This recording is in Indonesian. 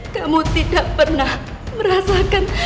kamu tidak pernah merasakan